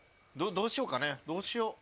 どうしようかねどうしよう。